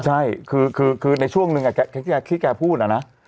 ใช่คือในช่วงนึงที่แกพูดนะ